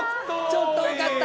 ちょっと多かった。